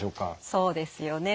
そうですよね。